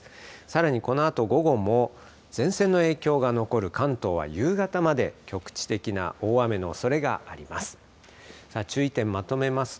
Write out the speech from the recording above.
さらにこのあと午後も、前線の影響が残る関東は夕方まで、局地的な大雨のおそれがあります。